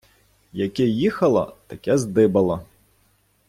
Яке їхало, таке здибало.